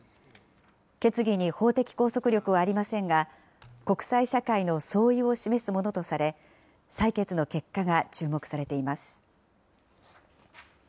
決議に法的拘束力はありませんが、国際社会の総意を示すものとされ、採決の結果が注目されています。